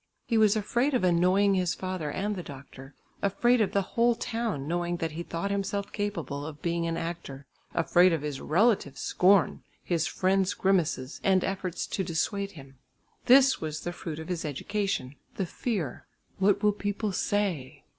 He was afraid of annoying his father and the doctor, afraid of the whole town knowing that he thought himself capable of being an actor, afraid of his relatives' scorn, his friends' grimaces and efforts to dissuade him. This was the fruit of his education, the fear, "What will people say?"